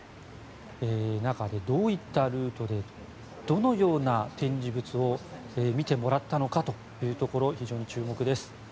中でどういったルートでどのような展示物を見てもらったのかというところ非常に注目です。